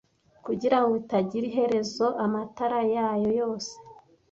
kugirango itagira iherezo amatara yayo yose